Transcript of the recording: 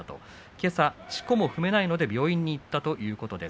けさしこも踏めないので病院に行ったということです。